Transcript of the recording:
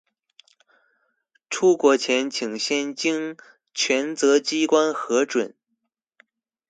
出國請先經權責機關核准